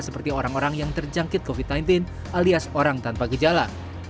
seperti orang orang yang terjangkit covid sembilan belas alias orang tanpa gejala